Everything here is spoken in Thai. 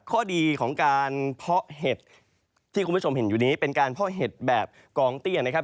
ข้อดีของการเพาะเห็ดที่คุณผู้ชมเห็นอยู่นี้เป็นการเพาะเห็ดแบบกองเตี้ยนะครับ